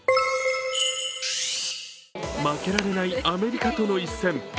負けられないアメリカとの一戦。